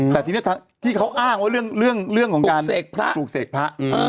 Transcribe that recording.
แต่ทีนี้พี่เขาอ้างว่าเรื่องของการแหละ